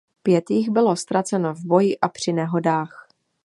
Pět jich bylo ztraceno v boji a při nehodách.